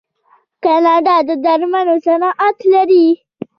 کاناډا د درملو صنعت لري.